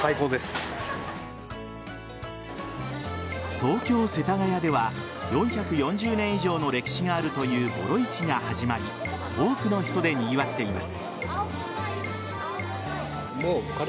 東京・世田谷では４４０年以上の歴史があるというボロ市が始まり多くの人でにぎわっています。